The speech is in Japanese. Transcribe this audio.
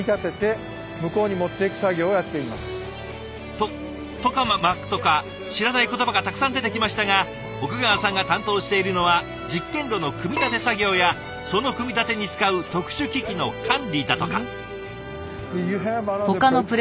トトカマクとか知らない言葉がたくさん出てきましたが奥川さんが担当しているのは実験炉の組み立て作業やその組み立てに使う特殊機器の管理だとか。